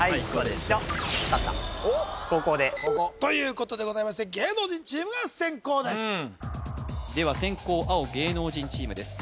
勝った後攻でということでございまして芸能人チームが先攻ですでは先攻青芸能人チームです